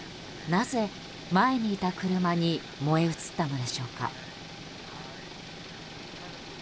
なぜ、前にいた車に燃え移ったのでしょうか。